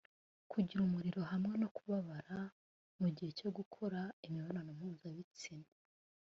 kugira umuriro hamwe no kubabara mu gihe cyo gukora imibonano mpuzabitsina